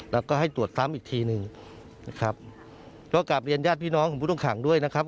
แล้วก็ให้ตรวจซ้ำอีกทีหนึ่งนะครับก็กลับเรียนญาติพี่น้องของผู้ต้องขังด้วยนะครับ